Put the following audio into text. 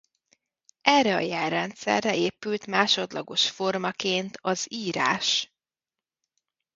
Erre a jelrendszerre épült másodlagos formaként az írás.